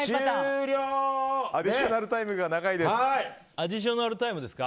アディショナルタイムですか。